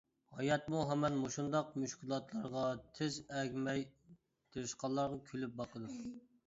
ھاياتمۇ ھامان مۇشۇنداق مۈشكۈلاتلارغا تىز ئەگمەي تىرىشقانلارغا كۈلۈپ باقىدۇ.